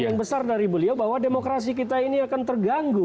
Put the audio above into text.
yang besar dari beliau bahwa demokrasi kita ini akan terganggu